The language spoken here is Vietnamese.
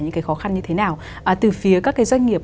những khó khăn như thế nào từ phía các doanh nghiệp